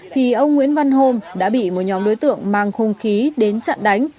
thì ông nguyễn văn hôn đã bị một nhóm đối tượng mang hung khí đến chặn đánh